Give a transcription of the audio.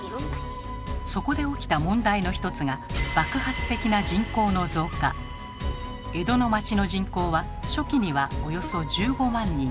そこで起きた問題の一つが江戸の町の人口は初期にはおよそ１５万人。